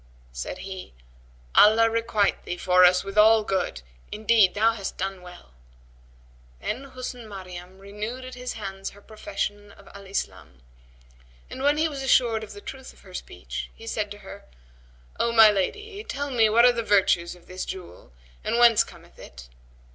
Said he, "Allah requite thee for us with all good! Indeed thou hast done well." Then Husn Maryam renewed at his hands her profession of Al Islam; and, when he was assured of the truth of her speech, he said to her, O my lady, tell me what are the virtues of this jewel and whence cometh it?"